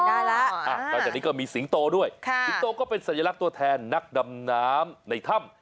นอกจากนี้ก็มีสิงโตด้วยสิงโตก็เป็นสัญลักษณ์ตัวแทนนักดำน้ำในถ้ำ